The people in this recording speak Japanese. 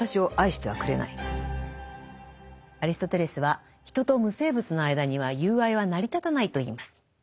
アリストテレスは人と無生物の間には友愛は成り立たないと言います。